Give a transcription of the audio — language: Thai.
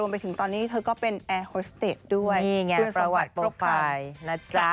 รวมไปถึงตอนนี้เขาก็เป็นแอร์ฮอสเตตด้วยเพื่อนสาวประวัติครบครับนี่ไงประวัติโปรไฟล์นะจ๊ะ